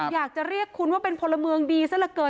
อยากจะเรียกคุณว่าเป็นพลเมืองดีซะละเกิน